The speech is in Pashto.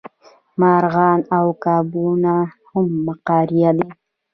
مارغان او کبونه هم فقاریه دي